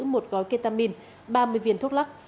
một gói ketamin ba mươi viên thuốc lắc